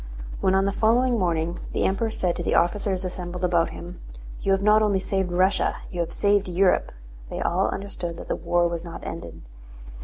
When on the following morning the Emperor said to the officers assembled about him: "You have not only saved Russia, you have saved Europe!" they all understood that the war was not ended.